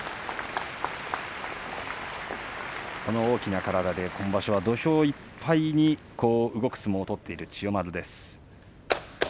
大きな体で今場所は土俵いっぱいに動く相撲を取っている千代丸です。